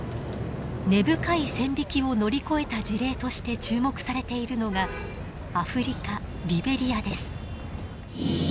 根深い線引きを乗り越えた事例として注目されているのがアフリカリベリアです。